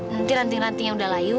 nanti ranting ranting yang udah layu